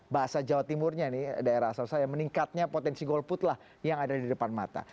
bahasa jawa timur daerah asal saya meningkatnya potensi golput yang ada di depan mata